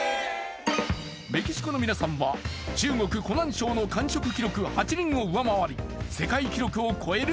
メキシコのみなさんは中国・湖南省の完食記録８人を上回り世界記録を超える？